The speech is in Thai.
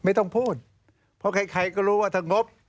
ไม่ต้องพูดเพราะใครก็รู้ว่าถ้างบ